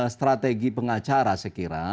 strategi pengacara saya kira